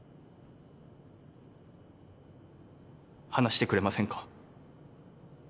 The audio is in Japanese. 話してくれませんか？